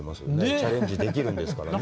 チャレンジできるんですからね。